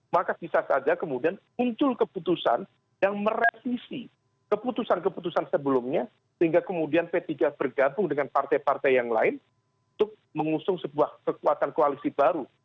maka bisa saja kemudian muncul keputusan yang merevisi keputusan keputusan sebelumnya sehingga kemudian p tiga bergabung dengan partai partai yang lain untuk mengusung sebuah kekuatan koalisi baru